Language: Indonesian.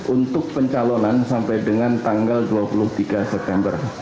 untuk pencalonan sampai dengan tanggal dua puluh tiga september